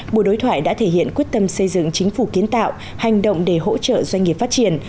buổi đối thoại đã thể hiện quyết tâm xây dựng chính phủ kiến tạo hành động để hỗ trợ doanh nghiệp phát triển